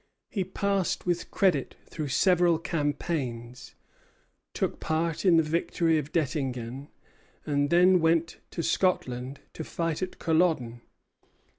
He passed with credit through several campaigns, took part in the victory of Dettingen, and then went to Scotland to fight at Culloden.